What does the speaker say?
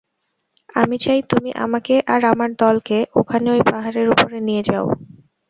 আমি চাই তুমি আমাকে আর আমার দলকে ওখানে ওই পাহাড়ের উপরে নিয়ে যাও।